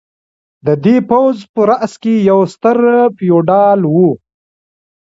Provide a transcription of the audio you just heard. د دې پوځ په راس کې یو ستر فیوډال و.